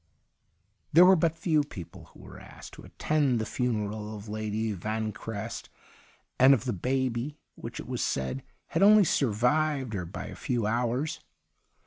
There were but few people who were asked to attend the funeral of L,ady Vanquerest and of the baby which, it was said, had only survived tier by a few hours.